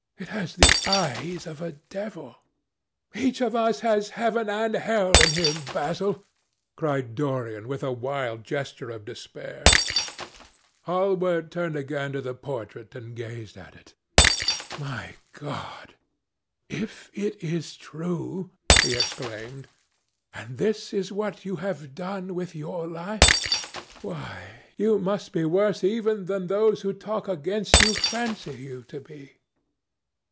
It has the eyes of a devil." "Each of us has heaven and hell in him, Basil," cried Dorian with a wild gesture of despair. Hallward turned again to the portrait and gazed at it. "My God! If it is true," he exclaimed, "and this is what you have done with your life, why, you must be worse even than those who talk against you fancy you to be!"